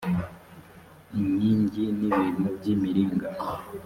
inkingi n ibintu by imiringa